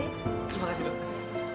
terima kasih dokter